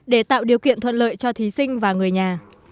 để tạo điều kiện thuận lợi cho thí sinh và người nhà